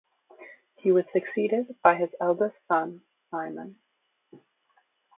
He was succeeded by his eldest son, Simon.